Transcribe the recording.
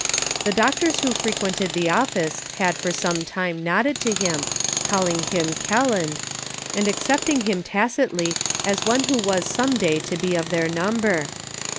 The doctors who frequented the office had for some time nodded to him, calling him " Kelland," and accepting him tacitly as one who was some day to be of their number.